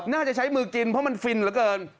น่าจะใช้มือกินเพราะมันฟินเหลือเกิน